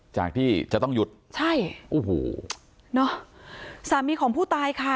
จากที่จะต้องหยุดใช่โอ้โหเนอะสามีของผู้ตายค่ะ